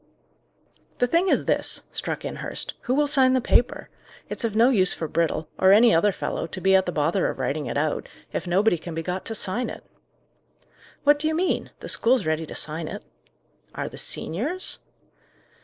"The thing is this," struck in Hurst: "who will sign the paper? It's of no use for Brittle, or any other fellow, to be at the bother of writing it out, if nobody can be got to sign it." "What do you mean? The school's ready to sign it." "Are the seniors?"